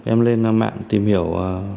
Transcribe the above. em lên mạng tìm hiểu